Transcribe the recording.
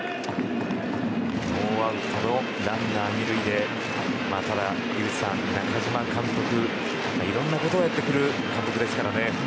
ノーアウトのランナー、２塁でただ井口さん中嶋監督はいろんなことをやってくる監督ですからね。